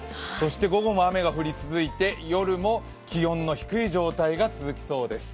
午後も雨が降り続いて、夜も気温の低い状態が続きそうです。